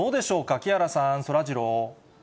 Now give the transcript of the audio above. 木原さん、そらジロー。